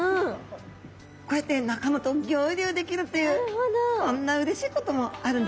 こうやって仲間と合流できるっていうこんなうれしいこともあるんですね。